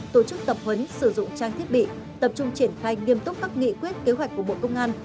tổ chức tập huấn sử dụng trang thiết bị tập trung triển khai nghiêm túc các nghị quyết kế hoạch của bộ công an